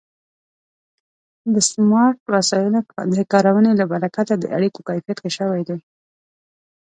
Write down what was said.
د سمارټ وسایلو د کارونې له برکته د اړیکو کیفیت ښه شوی دی.